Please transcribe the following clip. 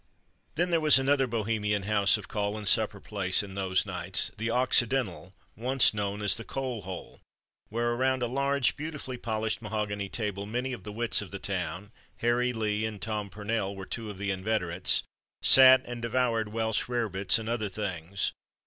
Then there was another Bohemian house of call, and supper place, in those nights the "Occidental," once known as the "Coal Hole," where, around a large, beautifully polished mahogany table, many of the wits of the town "Harry" Leigh and "Tom" Purnell were two of the inveterates sat, and devoured Welsh rarebits, and other things.